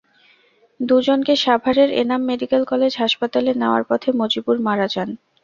দুজনকে সাভারের Enam medical college হাসপাতালে নেওয়ার পথে মজিবুর মারা যান।